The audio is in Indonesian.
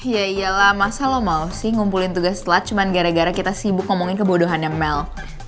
iya iyalah masa lo mau sih ngumpulin tugas lut cuman gara gara kita sibuk ngomongin kebodohannya mel